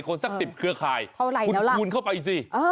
คนสักติดเครื่องขายหลายแล้วละคุณคุณเขาไปสิ